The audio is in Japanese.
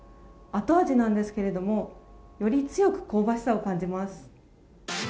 後味なんですがより強く香ばしさを感じます。